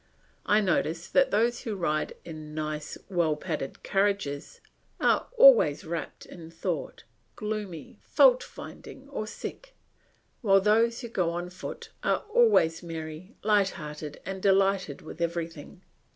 I notice that those who ride in nice, well padded carriages are always wrapped in thought, gloomy, fault finding, or sick; while those who go on foot are always merry, light hearted, and delighted with everything.